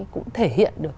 cũng thể hiện được